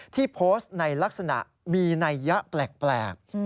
ที่โพสต์ในลักษณะมีนัยยะแปลก